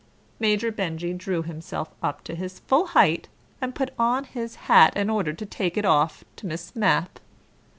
Major Benjy drew himself up to his full height, and put on his hat in order to take it off to Miss Mapp.